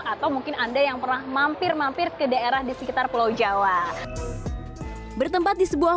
atau mungkin anda yang pernah mampir mampir ke daerah di sekitar pulau jawa bertempat di sebuah